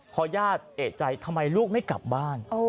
พอญาติเอกใจทำไมลูกไม่กลับบ้าน